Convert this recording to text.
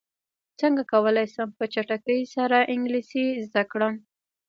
څنګه کولی شم په چټکۍ سره انګلیسي زده کړم